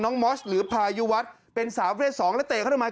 น้องมอสหรือพายุวัดเป็นสาวเวลา๒แล้วเตะเข้ามา